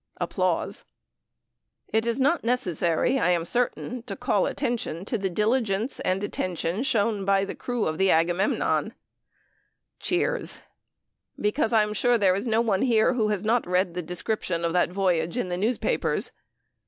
It is not necessary, I am certain, to call attention to the diligence and attention shown by the crew of the Agamemnon (cheers) because I am sure there is no one here who has not read the description of the voyage in the newspapers.